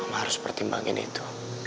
om harus pertimbangin itu